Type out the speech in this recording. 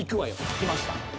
きました。